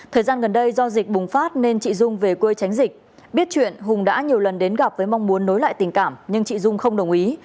thời gian gần đây do dịch bùng phát nên chị dung về quê tránh dịch biết chuyện hùng đã nhiều lần đến gặp với mong muốn nối lại tình cảm nhưng chị dung không đồng ý